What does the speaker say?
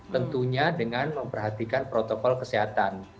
tentunya dengan memperhatikan protokol kesehatan